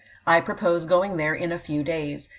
I propose going there in a few days.